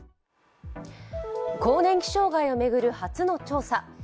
更年期障害を巡る初の調査。